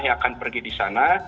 yang akan pergi di sana